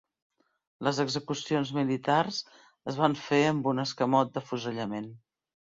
Les execucions militars es van fer amb un escamot d'afusellament.